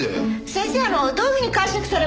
先生どういうふうに解釈され。